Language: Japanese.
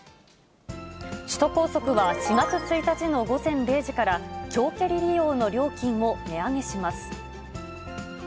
首都高速は４月１日の午前０時から、長距離利用の料金を値上げします。